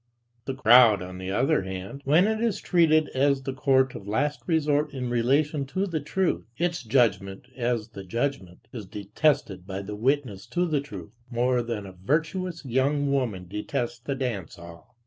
"A crowd," on the other hand, when it is treated as the court of last resort in relation to "the truth," its judgment as the judgment, is detested by the witness to the truth, more than a virtuous young woman detests the dance hall.